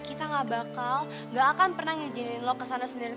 kita gak bakal gak akan pernah ngijinin lo ke sana sendirian